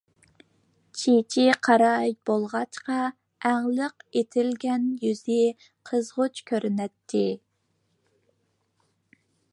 چېچى قارا بولغاچقا، ئەڭلىك ئېتىلگەن يۈزى قىزغۇچ كۆرۈنەتتى.